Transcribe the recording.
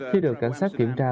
khi được cảnh sát kiểm tra